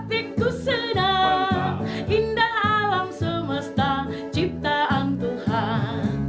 hingga alam semesta ciptaan tuhan